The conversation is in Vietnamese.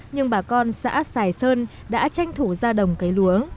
nhưng bà con xã xài sơn đã tranh thủ ra đồng cấy lúa